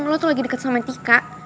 lo itu lagi deket sama tika